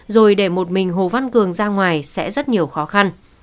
rồi để một mình hồ văn cường ra ngoài sẽ rất nhiều khó khăn